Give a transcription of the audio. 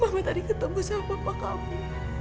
mama tadi ketemu sama papa kamu